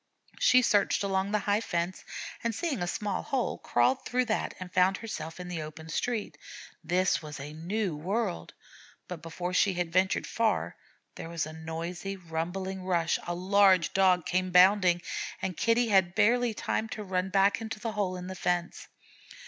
She searched along the high fence, and seeing a small hole, crawled through that and found herself in the open street. This was a new world, but before she had ventured far, there was a noisy, rumbling rush a large Dog came bounding, and Kitty had barely time to run back into the hole in the fence.